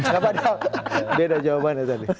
gak ada jawabannya tadi